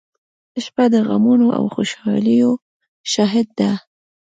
• شپه د غمونو او خوشالیو شاهد ده.